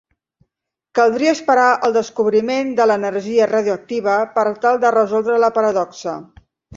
Caldria esperar al descobriment de l'energia radioactiva per tal de resoldre la paradoxa.